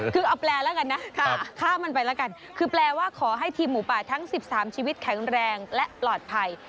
คือเอาแปลแล้วกันนะฆ่ามันไปแล้วกันคือแปลว่าขอให้ทีมหมูป่าทั้ง๑๓ชีวิตแข็งแรงและปลอดภัย